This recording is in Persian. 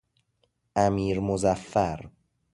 امیرمظفر